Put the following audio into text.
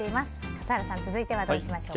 笠原さん続いてはどうしましょうか？